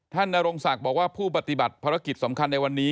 นรงศักดิ์บอกว่าผู้ปฏิบัติภารกิจสำคัญในวันนี้